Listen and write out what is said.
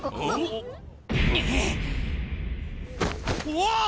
うわ！